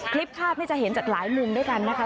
คลิปภาพจะเห็นจากหลายมุมด้วยกันนะคะ